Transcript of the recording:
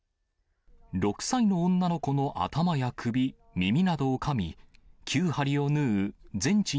６歳の女の子の頭や首、耳などをかみ、９針を縫う全治